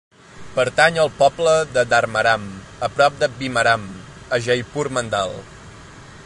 Pertany al poble de Dharmaram, a prop de Bheemaram, a Jaipur Mandal.